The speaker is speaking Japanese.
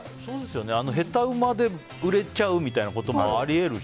下手うまで売れちゃうみたいなこともあり得るし